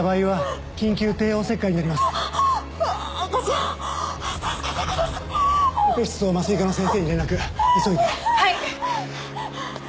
はい。